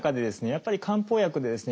やっぱり漢方薬でですね